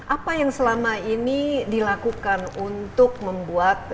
apa yang selama ini dilakukan untuk membuat